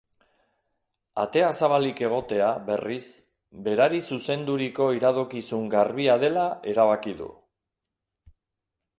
Atea zabalik egotea, berriz, berari zuzenduriko iradokizun garbia dela erabaki du.